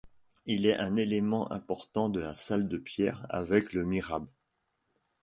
Il est un élément important de la salle de prières avec le mihrab.